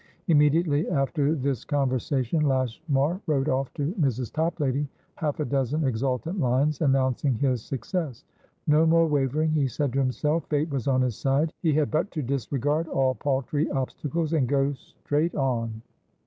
Immediately after this conversation, Lashmar wrote off to Mrs. Toplady, half a dozen exultant lines, announcing his success. No more wavering, he said to himself. Fate was on his side. He had but to disregard all paltry obstacles, and go straight on.